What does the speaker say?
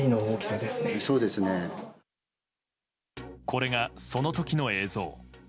これが、その時の映像。